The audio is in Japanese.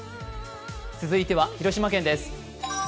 続いては広島県です。